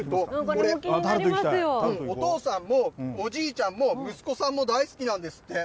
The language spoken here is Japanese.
これ、お父さんもおじいちゃんも息子さんも大好きなんですって。